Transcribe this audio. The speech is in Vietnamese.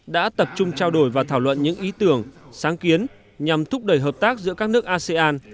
đã tập trung trao đổi và thảo luận những ý tưởng sáng kiến nhằm thúc đẩy hợp tác giữa các nước asean